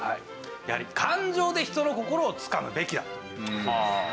やはり感情で人の心をつかむべきだという事ですね。